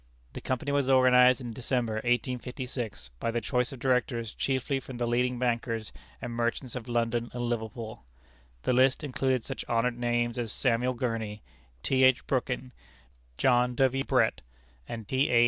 The Company was organized in December, 1856, by the choice of Directors chiefly from the leading bankers and merchants of London and Liverpool. The list included such honored names as Samuel Gurney, T. H. Brooking, John W. Brett, and T. A.